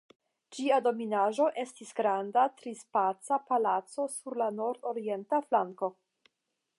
Ĝia dominaĵo estis granda trispaca palaco sur la nordorienta flanko.